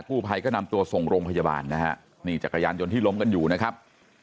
ผู้ภัยก็นำตัวส่งโรงพยาบาลนะฮะนี่จักรยานยนต์ที่ล้มกันอยู่นะครับ